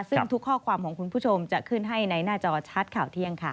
ซึ่งทุกข้อความของคุณผู้ชมจะขึ้นให้ในหน้าจอชัดข่าวเที่ยงค่ะ